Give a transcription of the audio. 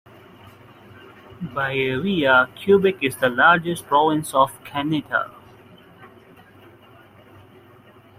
By area, Quebec is the largest province of Canada.